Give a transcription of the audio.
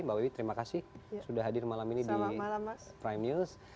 mbak wiwi terima kasih sudah hadir malam ini di prime news